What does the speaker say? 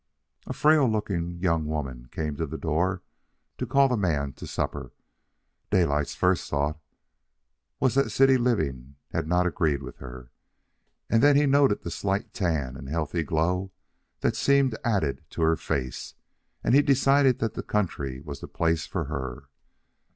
A frail looking young woman came to the door to call the young man to supper. Daylight's first thought was that city living had not agreed with her. And then he noted the slight tan and healthy glow that seemed added to her face, and he decided that the country was the place for her.